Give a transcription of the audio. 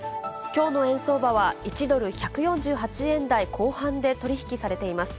きょうの円相場は、１ドル１４８円台後半で取り引きされています。